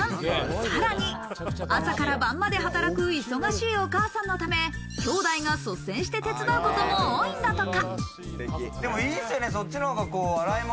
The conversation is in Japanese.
さらに、朝から晩まで働く忙しいお母さんのため、きょうだいが率先して手伝うことも多いんだとか。